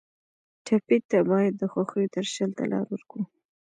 ټپي ته باید د خوښیو درشل ته لار ورکړو.